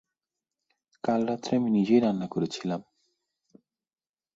কাল রাত্রে আমি নিজেই রান্না করেছিলাম।